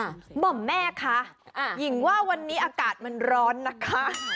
หม่อมแม่คะหญิงว่าวันนี้อากาศมันร้อนนะคะ